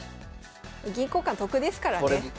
銀交換得ですからね。